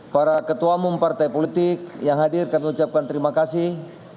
para ketua umum partai politik yang hadir kami ucapkan terima kasih